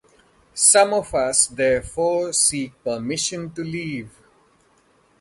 Some of us therefore seek permission to leave.